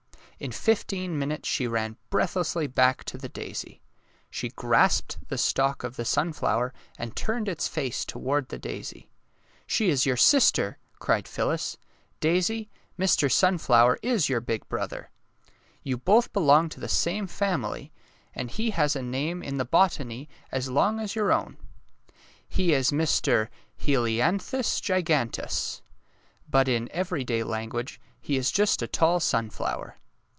In fifteen minutes she ran breathlessly back 188 DAISY AND SUNFLOWER to the daisy. She grasped the stalk of the sun flower and turned its face toward the daisy. '' She is your sister,'' cried Phyllis. ^^ Daisy, Mr. Sunflower is your big brother. You both belong to the same family, and he has a name in the botany as long as your own. He is Mr. He li an thus Gi gan teus, but in every day language he is just a tall sunflower."